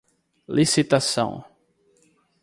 licitação